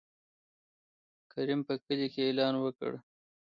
کريم په کلي کې يې اعلان وکړ.